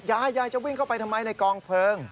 ยายยายจะวิ่งเข้าไปทำไมในกองเพลิง